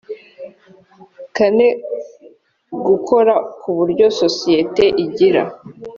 kane gukora ku buryo sosiyete igira